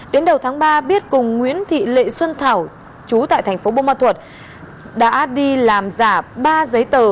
đến đầu tháng ba biết cùng nguyễn thị lệ xuân thảo chú tại tp bông ma thuột đã đi làm giả ba giấy tờ